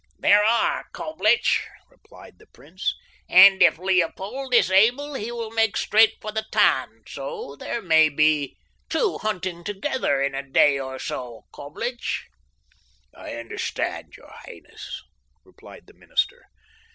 "There are, Coblich," replied the prince, "and if Leopold is able he will make straight for the Tann, so that there may be two hunting together in a day or so, Coblich." "I understand, your highness," replied the minister.